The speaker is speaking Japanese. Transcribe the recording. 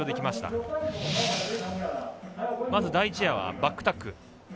まず第１エアはバックタック。